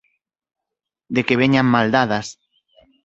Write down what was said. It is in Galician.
de que veñan mal dadas